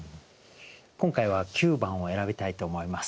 今回は９番を選びたいと思います。